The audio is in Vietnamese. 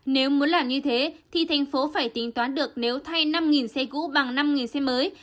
nếu muốn làm như thế thì thành phố phải tính toán được nếu thay năm xe cũ bằng năm xe mới